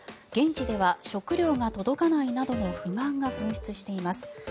現地では食料が届かないなどの不満が噴出しています。